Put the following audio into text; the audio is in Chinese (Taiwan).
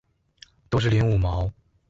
都是領五毛